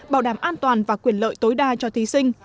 bảo đảm an toàn và quyền lợi tối đa cho thí sinh